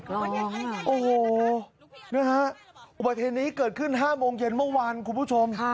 วันนี้เกิดขึ้น๕โมงเย็นเมื่อวันคุณผู้ชม